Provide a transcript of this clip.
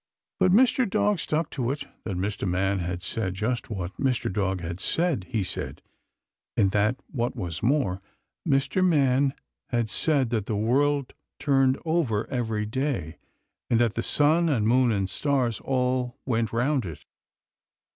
But Mr. Dog stuck to it that Mr. Man had said just what Mr. Dog had said he said, and that, what was more, Mr. Man had said that the world turned over every day, and that the sun and moon and stars all went round it.